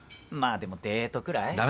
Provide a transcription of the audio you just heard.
まあでもデートくらい。